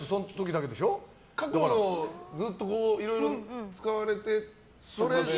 過去の、ずっといろいろ使われてとか。